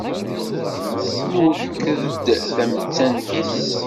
Nwekked-d tamettant-is.